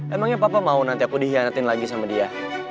emangnya papa mau nanti aku dikhianatin lagi sama dia